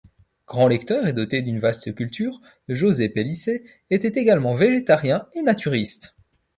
Grand lecteur et doté d'une vaste culture, José Pellicer était également végétarien et naturiste.